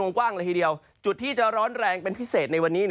กว้างเลยทีเดียวจุดที่จะร้อนแรงเป็นพิเศษในวันนี้